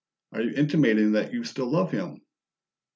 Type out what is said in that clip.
"Are you intimating that you still love him?"